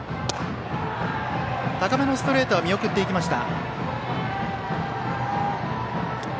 高めのストレートは見送っていきました。